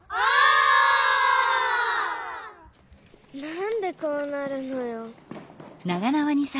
なんでこうなるのよ。